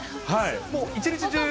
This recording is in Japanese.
もう一日中？